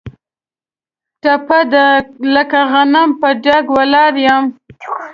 ټپه ده: لکه غنم په ډاګ ولاړ یم.